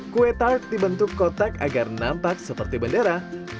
kue tark dibentuk kotak agar nampak seperti bendera